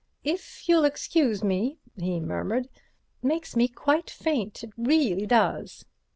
"If you'll excuse me," he murmured, "it makes me feel quite faint, it reely does."